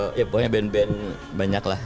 pokoknya band band banyak lah